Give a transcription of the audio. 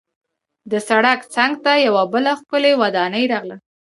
د سړک څنګ ته یوه بله ښکلې ودانۍ راغله.